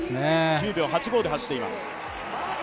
９秒８５で走っています。